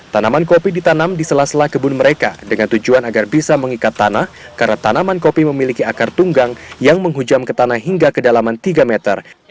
tanaman kopi ditanam di sela sela kebun mereka dengan tujuan agar bisa mengikat tanah karena tanaman kopi memiliki akar tunggang yang menghujam ke tanah hingga kedalaman tiga meter